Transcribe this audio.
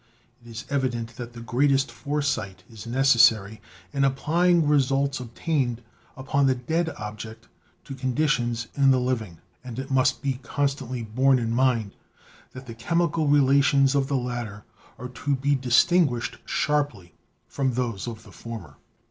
It is evident that the greatest foresight is neces sary in applying results obtained upon the dead object to conditions in the living, and it must constantly be borne in 18 BIOLOGY mind that the chemical relations of the latter are to be distinguished sharply from those of the former.